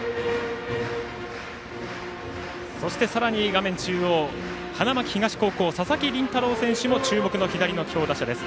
そして、さらに画面中央花巻東高校佐々木麟太郎選手も注目の左の強打者です。